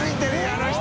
あの人！